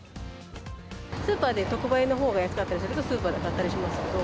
スーパーで特売のほうが安かったりするとスーパーで買ったりしますけど。